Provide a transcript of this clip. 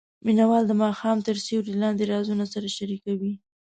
مینه وال د ماښام تر سیوري لاندې رازونه سره شریکوي.